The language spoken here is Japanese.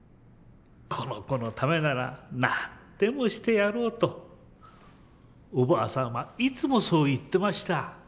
「この子のためなら何でもしてやろう」とおばあさんはいつもそう言ってました。